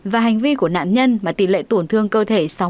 và hành vi của nạn nhân mà tỉ lệ tổn thương cơ thể sáu mươi một trở lên